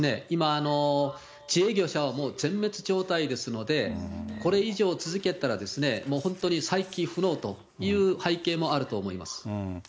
今、自営業者はもう全滅状態ですので、これ以上続けたら、もう本当に再起不能という背景もあると思います。